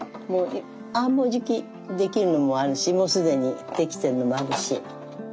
もうじき出来るのもあるしもう既に出来てるのもあるし。